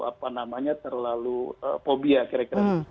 apa namanya terlalu fobia kira kira